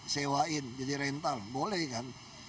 sewain jadi rental boleh kan